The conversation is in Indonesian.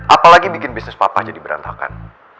apalagi bikin bisnis papa jadi berantakan